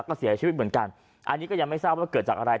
ก็เสียชีวิตเหมือนกันอันนี้ก็ยังไม่ทราบว่าเกิดจากอะไร